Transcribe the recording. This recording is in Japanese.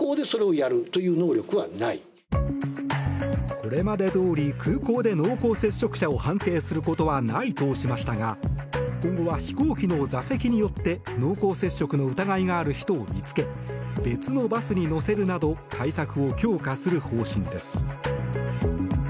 これまでどおり空港で濃厚接触者を判定することはないとしましたが今後は飛行機の座席によって濃厚接触の疑いがある人を見つけ別のバスに乗せるなど対策を強化する方針です。